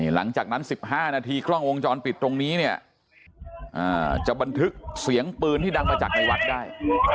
หลังจากนั้น๑๕นาทีกล้องวงจรปิดตรงนี้เนี่ยจะบันทึกเสียงปืนที่ดังมาจากในวัดได้